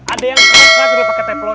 ada yang serasa juga pake teplon